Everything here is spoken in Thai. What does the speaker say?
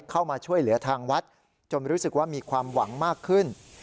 เข้ามาช่วยเหลือทางวัดจนรู้สึกว่ามีความหวังมากขึ้น